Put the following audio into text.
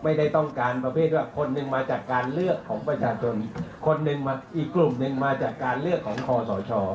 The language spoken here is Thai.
อีกกลุ่มหนึ่งมาจากการเลือกของคศ